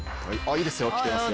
いいですよ来てますよ。